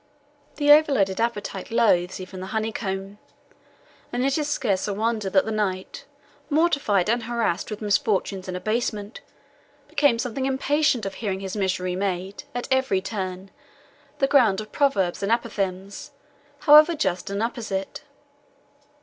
The overloaded appetite loathes even the honeycomb, and it is scarce a wonder that the knight, mortified and harassed with misfortunes and abasement, became something impatient of hearing his misery made, at every turn, the ground of proverbs and apothegms, however just and apposite.